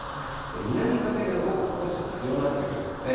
南風が午後、少し強まってくるんですね。